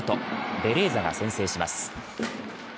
ベレーザが先制します。